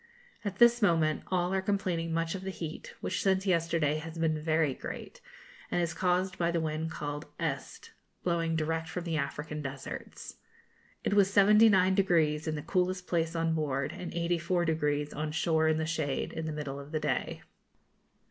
At this moment all are complaining much of the heat, which since yesterday has been very great, and is caused by the wind called 'Este,' blowing direct from the African deserts. It was 79° in the coolest place on board, and 84° on shore in the shade, in the middle of the day.